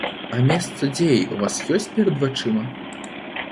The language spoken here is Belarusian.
А месца дзеі ў вас ёсць перад вачыма?